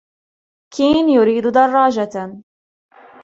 كين يريد دراجة.